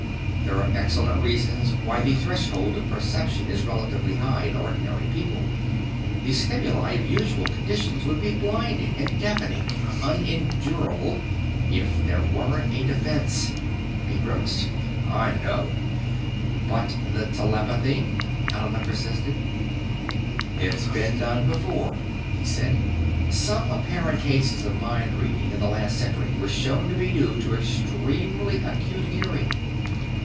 "There are excellent reasons why the threshold of perception is relatively high in ordinary people the stimuli of usual conditions would be blinding and deafening, unendurable, if there weren't a defense." He grimaced. "I know!" "But the telepathy?" Elena persisted. "It's been done before," he said. "Some apparent cases of mindreading in the last century were shown to be due to extremely acute hearing.